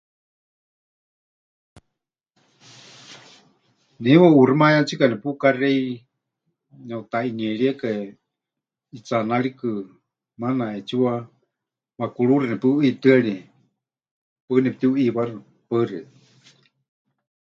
Ne heiwa ʼuuximayátsika nepukaxei neˀutaʼinieríeka ʼitsaanarikɨ, maana ʼeetsiwa wakuruuxi nepuʼɨitɨ́arie, paɨ nepɨtiuʼiiwaxɨ. Paɨ xeikɨ́a.